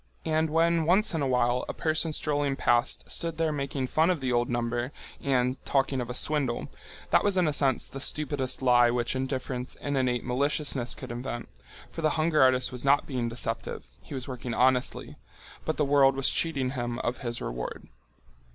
And when once in a while a person strolling past stood there making fun of the old number and talking of a swindle, that was in a sense the stupidest lie which indifference and innate maliciousness could invent, for the hunger artist was not being deceptive—he was working honestly—but the world was cheating him of his reward.